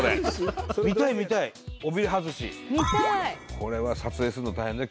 これは撮影するの大変だよ